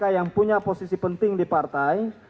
yang memiliki kekuatan di parlemen